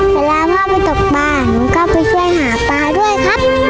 เวลาพ่อไปตกปลาหนูก็ไปช่วยหาปลาด้วยครับ